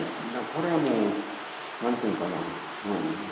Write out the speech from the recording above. これはもうなんていうのかな。